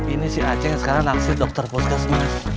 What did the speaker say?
ini si aceh yang sekarang nangis dokter poskas mas